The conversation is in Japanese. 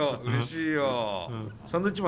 うれしいな。